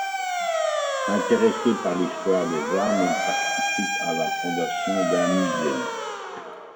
Intéressé par l'histoire des armes, il participe à la fondation d'un musée.